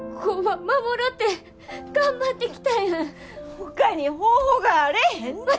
ほかに方法があれへんねん！